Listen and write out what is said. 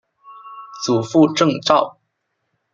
祖父郑肇。